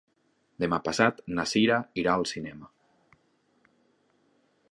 Demà passat na Sira irà al cinema.